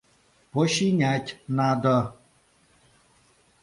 — Починять надо.